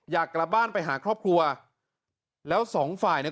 อยากกลับบ้านไปหาครอบครัวแล้วสองฝ่ายเนี่ย